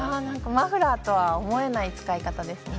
マフラーとは思えない使い方ですね。